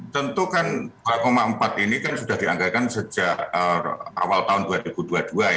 tentu kan dua empat ini kan sudah dianggarkan sejak awal tahun dua ribu dua puluh dua ya